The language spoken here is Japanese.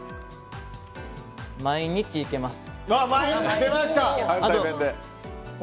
毎日いけます。